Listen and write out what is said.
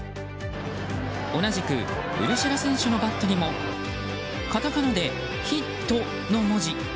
同じくウルシェラ選手のバットにもカタカナでヒットの文字。